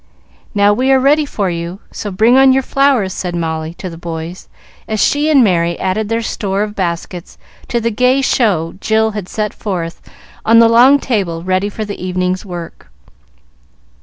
"Now we are ready for you, so bring on your flowers," said Molly to the boys, as she and Merry added their store of baskets to the gay show Jill had set forth on the long table ready for the evening's work.